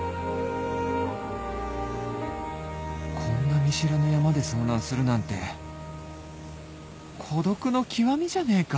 こんな見知らぬ山で遭難するなんて孤独の極みじゃねえか